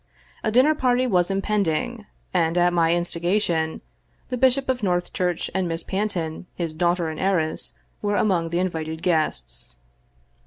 A dinner party was im pending, and, at my instigation, the Bishop of Northchurch and Miss Panton, his daughter and heiress, were among the invited guests.